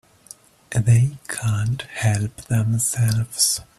They can't help themselves.